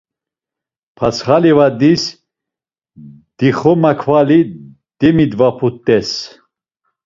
Patsxa livadis dixomakvali demidvaput̆es.